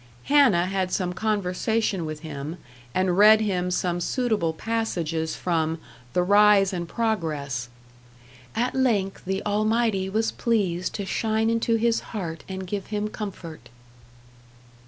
Hannah had some conversation with him, and read him some suitable passages from "The Rise and Progress". "At length the Almighty was pleased to shine into his heart and give him comfort."